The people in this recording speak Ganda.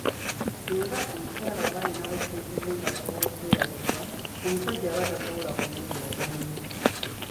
Singa omukyala aba alinawo ssente ze nga asobola okwerabirira, omusajja aba tasobola kumujooga nnyo.